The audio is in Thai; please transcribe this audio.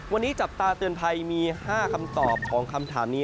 วันนี้จับตาเตือนภัยมี๕คำตอบของคำถามนี้